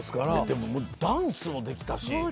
でもダンスもできたし。